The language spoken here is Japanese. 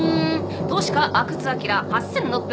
投資家阿久津晃８６４３点。